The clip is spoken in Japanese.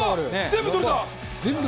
全部取れた？